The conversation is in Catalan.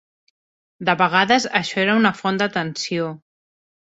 De vegades això era una font de tensió.